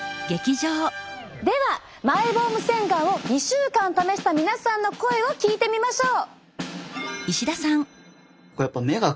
ではマイボーム洗顔を２週間試した皆さんの声を聞いてみましょう！